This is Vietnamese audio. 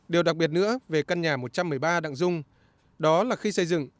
điều đặc biệt nữa về căn nhà một trăm một mươi ba đặng dung đó là khi xây dựng